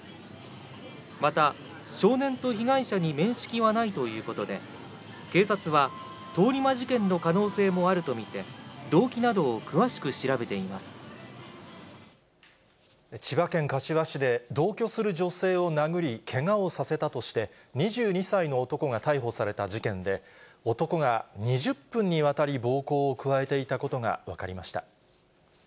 また少年と被害者に面識はないということで、警察は通り魔事件の可能性もあると見て、千葉県柏市で同居する女性を殴り、けがをさせたとして、２２歳の男が逮捕された事件で、男が２０分にわたり暴行を加えていたことが分かりました。